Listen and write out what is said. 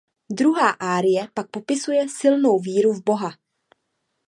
Druhá árie pak popisuje silnou víru v Boha.